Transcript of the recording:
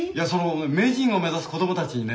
名人を目指す子供たちにね